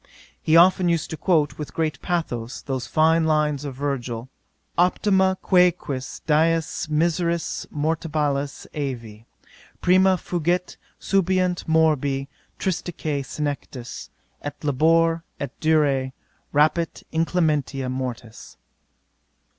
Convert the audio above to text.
'He often used to quote, with great pathos, those fine lines of Virgil: 'Optima quaeque dies miseris mortalibus aevi Prima fugit; subeunt morbi, tristisque senectus, Et labor, et durae rapit inclementia mortis.'